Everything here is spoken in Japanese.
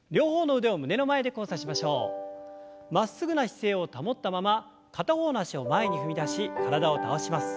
まっすぐな姿勢を保ったまま片方の脚を前に踏み出し体を倒します。